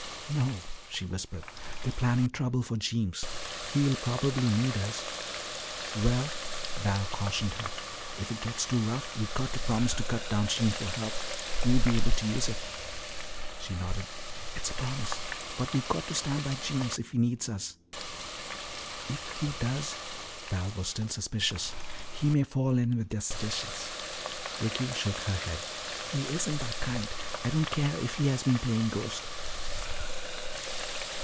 "No," she whispered. "They're planning trouble for Jeems. He'll probably need us." "Well," Val cautioned her, "if it gets too rough, you've got to promise to cut downstream for help. We'll be able to use it." She nodded. "It's a promise. But we've got to stand by Jeems if he needs us." "If he does " Val was still suspicious. "He may fall in with their suggestions." Ricky shook her head. "He isn't that kind. I don't care if he has been playing ghost."